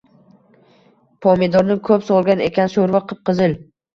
Pomidorni koʼp solgan ekan, shoʼrva qip-qizil.